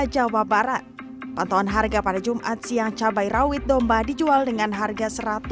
jawa barat pantauan harga pada jumat siang cabai rawit domba dijual dengan harga